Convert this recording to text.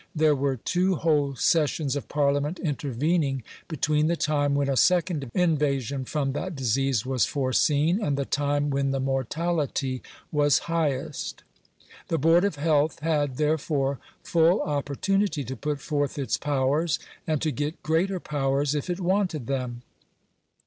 There were two whole sessions of parliament intervening between the time when a second invasion from that disease was foreseen and the time when the mortality was highest. The Board of Health had, therefore, full opportunity to put forth its powers, and to get greater powers if it wanted them.